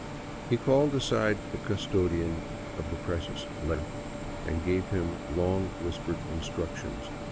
..." He called aside the custodian of the precious ledger and gave him long whispered instructions.